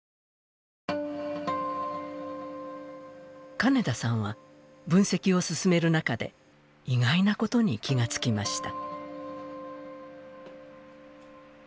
金田さんは、分析を進める中で意外なことに気がつきました。